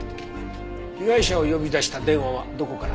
被害者を呼び出した電話はどこから？